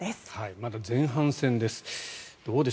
まだ前半です。